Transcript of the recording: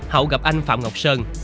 hậu gặp anh phạm ngọc sơn